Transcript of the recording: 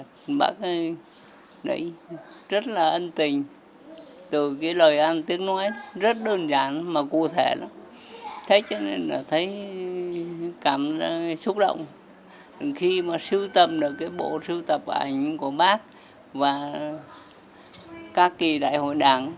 khi mà sưu tầm được cái bộ sưu tập ảnh của bác và các kỳ đại hội đảng